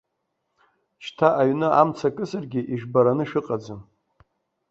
Шьҭа аҩны амца акызаргьы ижәбараны шәыҟаӡам.